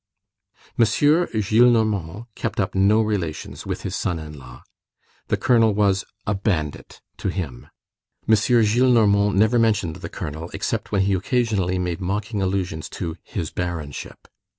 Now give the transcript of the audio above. M. Gillenormand kept up no relations with his son in law. The colonel was "a bandit" to him. M. Gillenormand never mentioned the colonel, except when he occasionally made mocking allusions to "his Baronship."